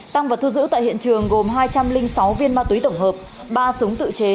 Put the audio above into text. tăng vật thu giữ tại hiện trường gồm hai trăm linh sáu viên ma túy tổng hợp ba súng tự chế